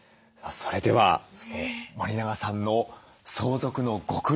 それでは森永さんの相続のご苦労